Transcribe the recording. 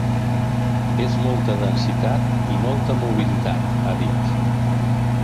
És molta densitat i molta mobilitat, ha dit.